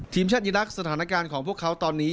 ทีมชาติอีรักษ์สถานการณ์ของพวกเขาตอนนี้